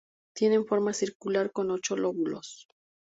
Tienen forma circular con ocho lóbulos.